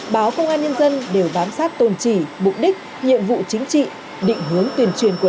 báo công an nhân dân đều vám sát tôn trì mục đích nhiệm vụ chính trị định hướng tuyển truyền của